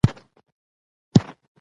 ډېره تته او منفعله ده.